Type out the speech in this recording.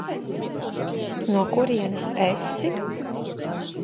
No kurienes esi?